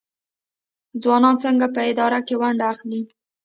ځوانان څنګه په اداره کې ونډه اخلي؟